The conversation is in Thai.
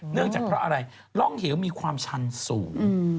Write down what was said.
เนื่องจากเพราะอะไรร่องเหวมีความชันสูง